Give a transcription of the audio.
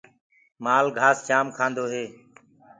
مآل گھآس جآم کآندو هي۔